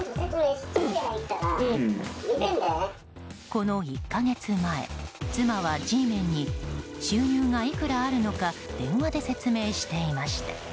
この１か月前、妻はＧメンに収入がいくらあるのか電話で説明していました。